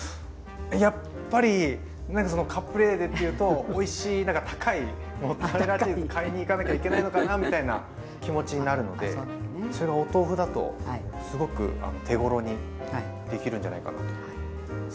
やっぱりなんかそのカプレーゼっていうとおいしい高いモッツァレラチーズ買いに行かなきゃいけないのかなみたいな気持ちになるのでそれがお豆腐だとすごく手ごろにできるんじゃないかなと。